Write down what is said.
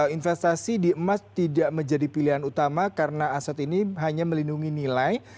investasi di emas tidak menjadi pilihan utama karena aset ini hanya melindungi nilai